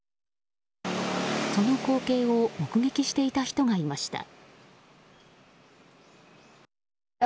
その光景を目撃していた人がいました。